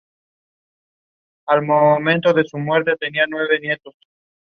El concesionario tendrá como labor la administración, operación e inversiones que necesite el terminal.